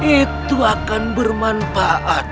itu akan bermanfaat